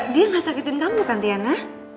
dia gak sakitin kamu kan tiana